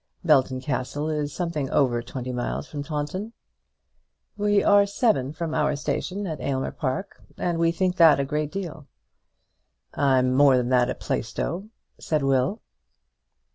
"Belton Castle is something over twenty miles from Taunton." "We are seven from our station at Aylmer Park, and we think that a great deal." "I'm more than that at Plaistow," said Will.